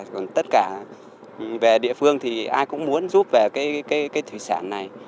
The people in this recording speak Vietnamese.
còn tất cả về địa phương thì ai cũng muốn giúp về cái thủy sản này